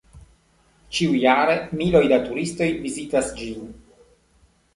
Ĉiujare miloj da turistoj vizitas ĝin.